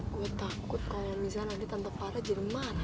gue takut kalo misalnya nanti tante farah jadi marah malah sama kita